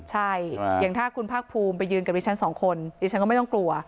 ใช่อย่างถ้าคุณภาคภูมิไปยืนกับดิฉันสองคนดิฉันก็ไม่ต้องกลัว